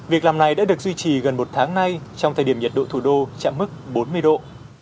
việc làm này đã được duy trì gần một tháng nay trong thời điểm nhiệt độ thủ đô chạm mức bốn mươi độ